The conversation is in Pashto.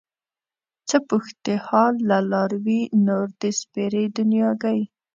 څه پوښتې حال له لاروي نور د سپېرې دنياګۍ